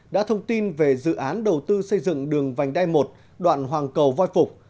đã thông tin về dự án đầu tư xây dựng đường vành đai một đoạn hoàng cầu voi phục